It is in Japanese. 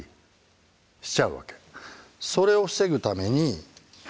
それを防ぐために。